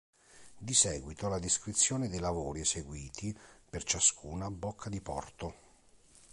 Di seguito, la descrizione dei lavori eseguiti per ciascuna bocca di porto.